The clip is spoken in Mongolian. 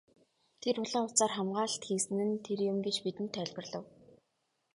Тэр улаан утсаар хамгаалалт хийсэн нь тэр юм гэж бидэнд тайлбарлав.